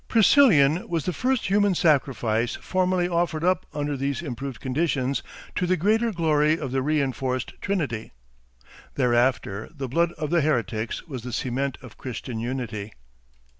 Priscillian was the first human sacrifice formally offered up under these improved conditions to the greater glory of the reinforced Trinity. Thereafter the blood of the heretics was the cement of Christian unity.